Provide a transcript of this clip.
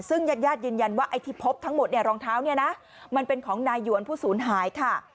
ซึ่งญาติญาติยืนยันว่าไอ้ที่พบทั้งหมดเนี่ยรองเท้าเนี่ยนะมันเป็นของนายหวนผู้สูญหายค่ะ